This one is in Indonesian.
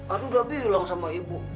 aduh dabi hilang sama ibu